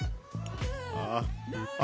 ああ！